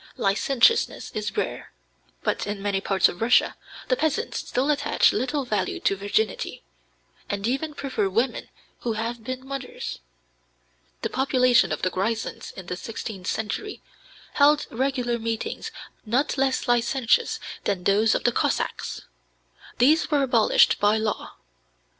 Licentiousness is rare. But in many parts of Russia the peasants still attach little value to virginity, and even prefer women who have been mothers. The population of the Grisons in the sixteenth century held regular meetings not less licentious than those of the Cossacks. These were abolished by law.